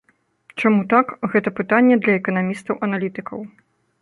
Чаму так, гэта пытанне для эканамістаў-аналітыкаў.